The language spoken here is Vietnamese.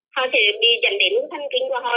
họ sẽ đi dẫn đến thân kính của họ